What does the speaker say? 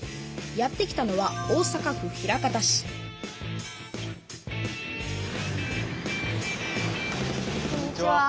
やって来たのはこんにちは。